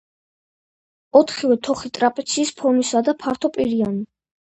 ოთხივე თოხი ტრაპეციის ფორმისაა და ფართოპირიანი.